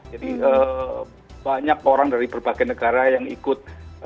jadi banyak orang dari berbagai negara yang ikut